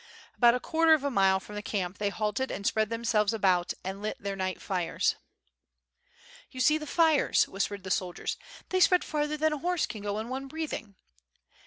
About a quarter of a mile from the camp they halted and spread themselves about and lit their night fires. WITH FIRE AND SWORD. 697 "You see the fires!" whispered the soldiers, "they spread farther than a horse can go in one breathing."